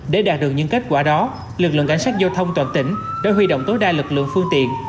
để đạt được những kết quả đó lực lượng cảnh sát giao thông toàn tỉnh đã huy động tối đa lực lượng phương tiện